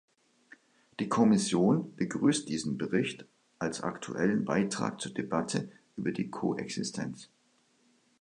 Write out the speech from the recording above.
Die Kommission begrüßt diesen Bericht als aktuellen Beitrag zur Debatte über die Koexistenz.